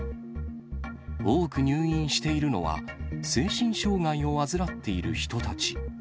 多く入院しているのは、精神障がいを患っている人たち。